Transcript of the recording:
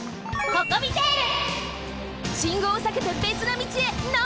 ココミテール！